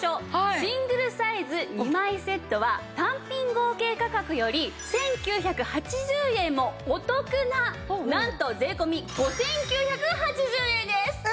シングルサイズ２枚セットは単品合計価格より１９８０円もお得ななんと税込５９８０円です！え！